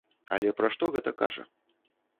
Але пра што гэта кажа?